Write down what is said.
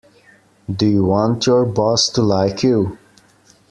Do you want your boss to like you?